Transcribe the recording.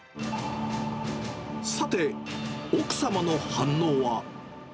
さて、奥様の反応は？